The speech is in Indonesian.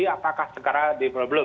apakah sekarang diperlu